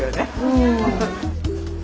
うん。